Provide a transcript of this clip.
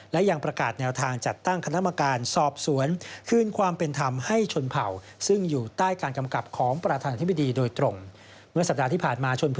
และยังประกาศแนวทางจัดตั้งคณะมาการสอบสวนคืนความเป็นธรรมให้ชนเผ่า